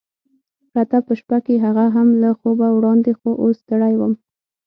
پرته په شپه کې، هغه هم له خوبه وړاندې، خو اوس ستړی وم.